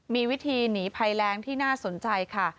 มีวิธีหนีภัยแรงที่น่าสนใจค่ะ